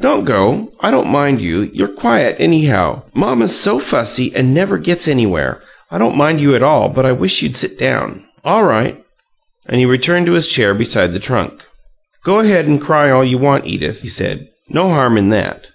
"Don't go. I don't mind you; you're quiet, anyhow. Mamma's so fussy, and never gets anywhere. I don't mind you at all, but I wish you'd sit down." "All right." And he returned to his chair beside the trunk. "Go ahead and cry all you want, Edith," he said. "No harm in that!"